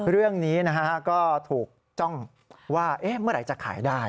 เรื่องนี้นะฮะก็ถูกจ้องว่าเมื่อไหร่จะขายได้